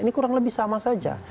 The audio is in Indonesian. ini kurang lebih sama saja